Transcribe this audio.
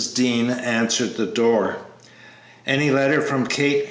Dean answered the door. "Any letter from Kate?"